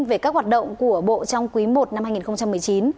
về các hoạt động của bộ trong quý i năm hai nghìn một mươi chín